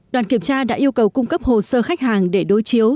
đoàn kiểm tra đã yêu cầu cung cấp hồ sơ khách hàng để đối chiếu